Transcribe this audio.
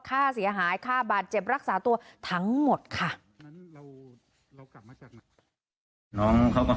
ค่าเสียหายค่าบาดเจ็บรักษาตัวทั้งหมดค่ะ